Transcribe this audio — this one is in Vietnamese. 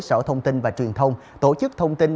sở thông tin và truyền thông tổ chức thông tin